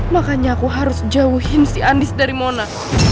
makanya aku harus jauhim si andis dari mona